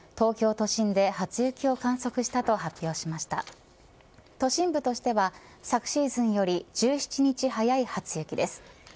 都心部としては、昨シーズンより１７日早い初雪です。